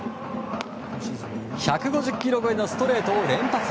１５０キロ超えのストレートを連発！